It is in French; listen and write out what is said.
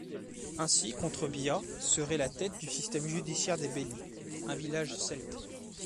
Ainsi Contrebia serait la tête du système judiciaire des Belli, un village celte.